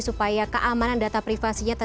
supaya keamanan data privasinya